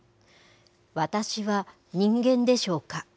私は人間でしょうか？